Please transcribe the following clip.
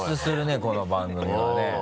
この番組はね。